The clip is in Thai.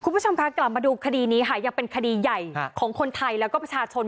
คุณผู้ชมคะกลับมาดูคดีนี้ค่ะยังเป็นคดีใหญ่ของคนไทยแล้วก็ประชาชน